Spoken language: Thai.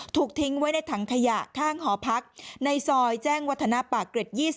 ถูกทิ้งไว้ในถังขยะข้างหอพักในซอยแจ้งวัฒนาปากเกร็ด๒๐